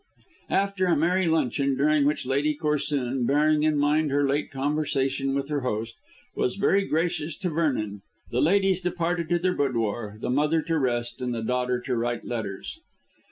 After a merry luncheon, during which Lady Corsoon, bearing in mind her late conversation with her host, was very gracious to Vernon, the ladies departed to their boudoir, the mother to rest and the daughter to write letters.